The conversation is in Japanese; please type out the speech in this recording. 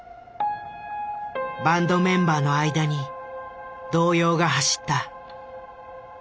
バンドメンバーの間に動揺が走った。